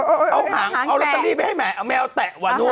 โอ้โฮเอาหางเอารถทันที่ไปให้แมวเอาแมวแตะว่ะนุ่ม